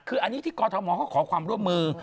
คืออันนี้ที่กรทมเขาขอความร่วมมือ